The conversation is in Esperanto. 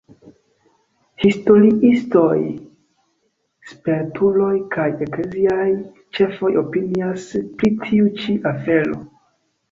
Historiistoj, spertuloj kaj ekleziaj ĉefoj opinias pri tiu ĉi afero.